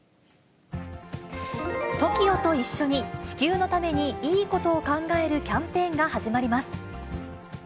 ＴＯＫＩＯと一緒に地球のためにいいことを考えるキャンペーンが始まります。